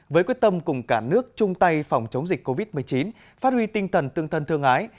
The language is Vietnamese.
với quyết tâm cùng cả nước chung tay phòng chống dịch covid một mươi chín phát huy tinh thần tương thân tương ái